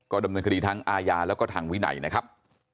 ดำเนินคดีทั้งอาญาแล้วก็ทางวินัยนะครับ